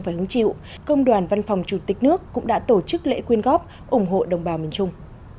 và hứng chịu công đoàn văn phòng chủ tịch nước cũng đã tổ chức lễ quyên góp ủng hộ đồng bào miền trung